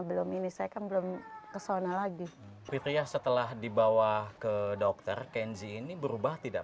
belum ini saya kan belum kesana lagi fitriah setelah dibawa ke dokter kenzi ini berubah tidak